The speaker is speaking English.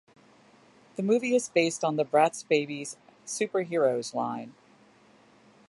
The movie is based on the Bratz Babyz Super Heroez line.